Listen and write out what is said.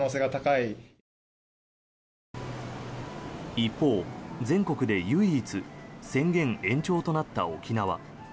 一方、全国で唯一宣言延長となった沖縄。